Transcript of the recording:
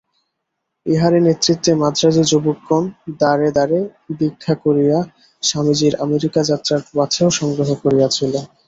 ইঁহারই নেতৃত্বে মান্দ্রাজী যুবকগণ দ্বারে দ্বারে ভিক্ষা করিয়া স্বামীজীর আমেরিকা-যাত্রার পাথেয় সংগ্রহ করিয়াছিল।